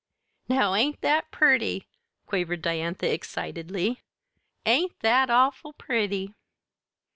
"Now ain't that pretty," quavered Diantha excitedly. "Ain't that awful pretty!"